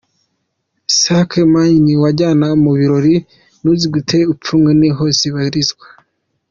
Sac a main wajyana mu birori ntuzigutere ipfunwe niho zibarizwa.